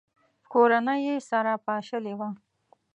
کورنۍ یې سره پاشلې وه.